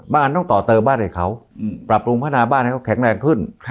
บ้านต้องต่อเติมบ้านให้เขาปรับปรุงพัฒนาบ้านให้เขาแข็งแรงขึ้น